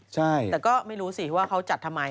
ใช่แต่ก็ไม่รู้สิว่าเขาจัดทำไม